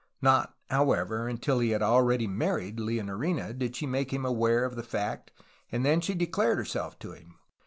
Not, however, until he had already married Leonorina did she make him aware of the fact, and then she declared herself to him.